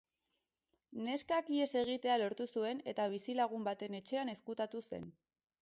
Neskak ihes egitea lortu zuen eta bizilagun baten etxean ezkutatu zen.